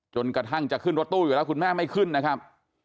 จนกระทั่งจะขึ้นรถตู้อยู่แล้วคุณแม่ไม่ขึ้นนะครับ